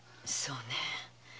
そうねえ